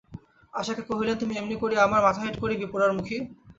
আশাকে কহিলেন, তুই এমনি করিয়া আমার মাথা হেঁট করিবি পোড়ারমুখী?